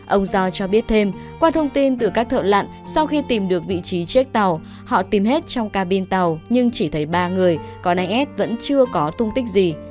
ông do cho biết thêm qua thông tin từ các thợ lặn sau khi tìm được vị trí chiếc tàu họ tìm hết trong cabin tàu nhưng chỉ thấy ba người còn anh ad vẫn chưa có tung tích gì